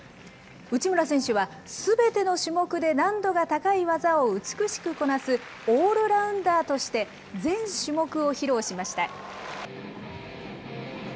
内村選手はすべての種目で難度が高い技を美しくこなすオールラウンダーとして、全種目を披露しました。